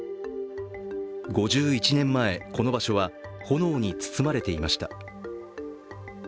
５１年前、この場所は炎に包まれていました。